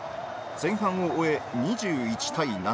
前半を終え２１対７。